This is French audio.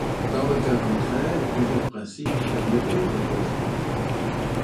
Dans le cas contraire, plusieurs principes permettent de les composer.